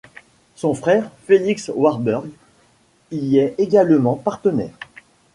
Son frère, Felix Warburg, y est également partenaire.